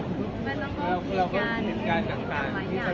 เวลาแรกพี่เห็นแวว